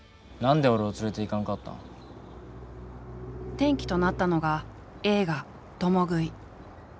転機となったのが映画「共喰い」。